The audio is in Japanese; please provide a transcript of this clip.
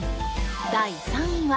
第３位は。